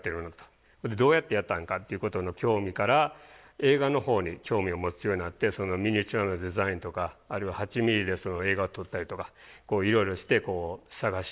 それでどうやってやったんかっていうことの興味から映画のほうに興味を持つようになってそのミニチュアのデザインとかあるいは８ミリで映画を撮ったりとかいろいろして探してました。